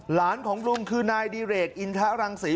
หลานของลุงคือนายดิเรกอินทะรังศรี